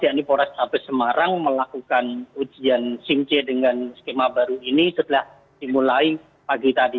yakni polrestabes semarang melakukan ujian simc dengan skema baru ini setelah dimulai pagi tadi